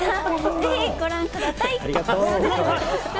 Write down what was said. ぜひご覧くだたい！